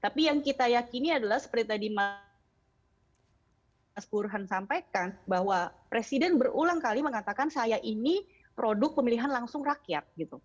tapi yang kita yakini adalah seperti tadi mas burhan sampaikan bahwa presiden berulang kali mengatakan saya ini produk pemilihan langsung rakyat